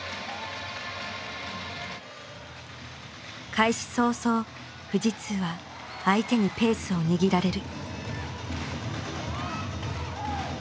開始早々富士通は相手にペースを握られる。